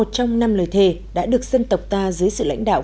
một trong năm lời thề đã được dân tộc ta giới sử lãnh đạo